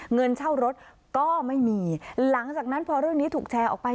เงินเช่ารถก็ไม่มีหลังจากนั้นพอเรื่องนี้ถูกแชร์ออกไป